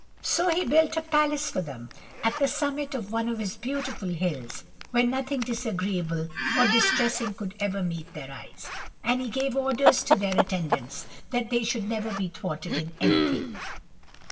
So he built a palace for them, at the summit of one of his beautiful hills, where nothing disagreeable or distressing could ever meet their eyes, and he gave orders to their attendants, that they should never be thwarted in anything.